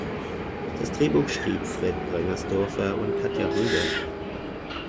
Das Drehbuch schrieben Fred Breinersdorfer und Katja Röder.